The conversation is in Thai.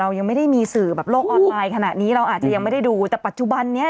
ยังไม่ได้มีสื่อแบบโลกออนไลน์ขนาดนี้เราอาจจะยังไม่ได้ดูแต่ปัจจุบันนี้